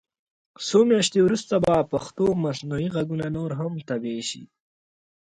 څو میاشتې وروسته به پښتو مصنوعي غږونه نور هم طبعي شي.